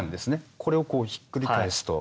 これをこうひっくり返すと。